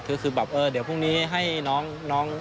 คือแบบเออเดี๋ยวพรุ่งนี้ให้น้อง